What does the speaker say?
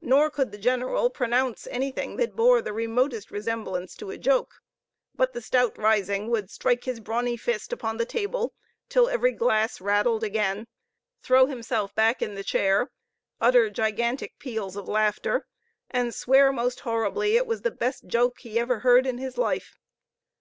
Nor could the general pronounce anything that bore the remotest resemblance to a joke, but the stout Risingh would strike his brawny fist upon the table till every glass rattled again, throw himself back in the chair, utter gigantic peals of laughter, and swear most horribly it was the best joke he ever heard in his life.